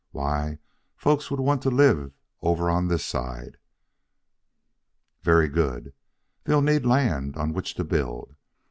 Why, folks will want to live over on this side. Very good. They'll need land on which to build.